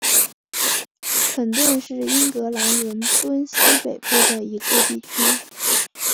肯顿是英格兰伦敦西北部的一个地区。